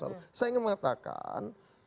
saya ingin mengatakan